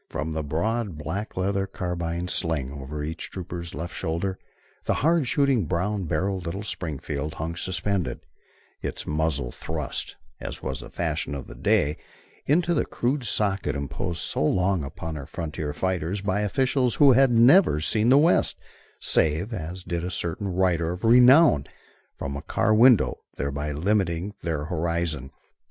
From the broad, black leather carbine sling, over each trooper's left shoulder, the hard shooting brown barrelled little Springfield hung suspended, its muzzle thrust, as was the fashion of the day, into the crude socket imposed so long upon our frontier fighters by officials who had never seen the West, save, as did a certain writer of renown, from a car window, thereby limiting their horizon.